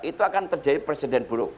itu akan terjadi presiden buruk